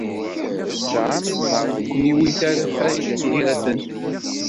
Tesɛam zzheṛ ur ken-iwit ara Farid n At Yiraten.